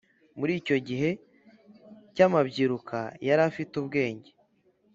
muri icyo gihe cy amabyiruka yarafite ubwenge